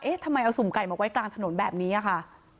ทำไมเอาสุ่มไก่มาไว้กลางถนนแบบนี้ค่ะ